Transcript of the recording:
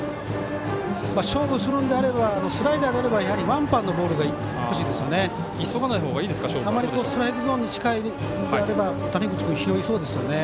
勝負するのであればスライダーならワンバンのボールが欲しいですね。